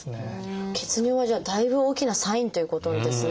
血尿はじゃあだいぶ大きなサインということですね。